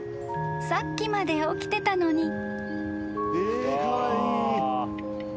［さっきまで起きてたのに］